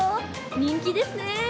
人気ですね。